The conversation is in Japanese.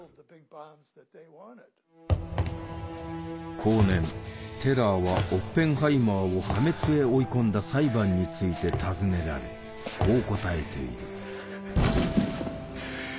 後年テラーはオッペンハイマーを破滅へ追い込んだ裁判について尋ねられこう答えている。